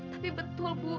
tapi betul bu